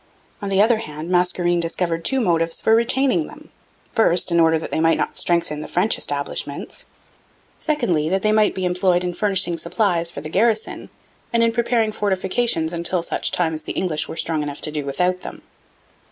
On the other hand, Mascarene discovered two motives for retaining them: first, in order that they might not strengthen the French establishments; secondly, that they might be employed in furnishing supplies for the garrison and in preparing fortifications until such time as the English were strong enough to do without them.